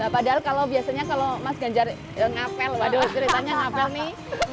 padahal kalau biasanya kalau mas ganjar ngapel waduh ceritanya ngapel nih